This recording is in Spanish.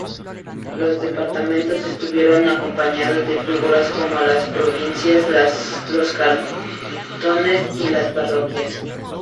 Los departamentos estuvieron acompañados de figuras como las provincias, los cantones y las parroquias.